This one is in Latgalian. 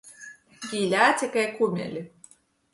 Jī lēce kai kumeli.